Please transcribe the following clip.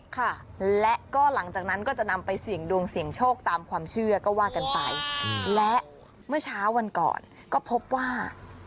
ค่ะและก็หลังจากนั้นก็จะนำไปเสี่ยงดวงเสี่ยงโชคตามความเชื่อก็ว่ากันไปอืมและเมื่อเช้าวันก่อนก็พบว่า